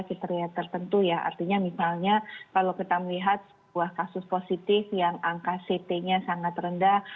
kriteria tertentu ya artinya misalnya kalau kita melihat sebuah kasus positif yang angka ct nya sangat rendah